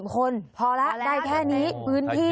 คนพอแล้วได้แค่นี้พื้นที่